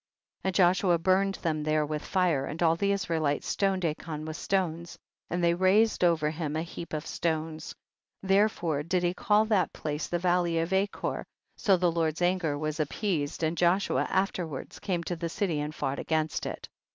37. And Joshua burned them there with fire, and all the Israelites stoned Achan with stones, and they raised over him a heap of stones ; therefore did he call that place the valley of Achor, so the Lord's anger was ap peased, and Joshua afterward came to the city and fought against it.